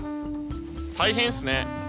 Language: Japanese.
大変ですね。